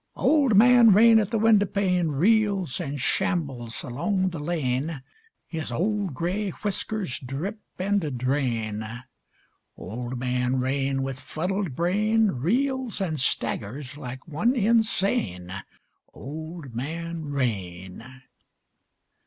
Old Man Rain at the windowpane Reels and shambles along the lane: His old gray whiskers drip and drain: Old Man Rain with fuddled brain Reels and staggers like one insane. Old Man Rain.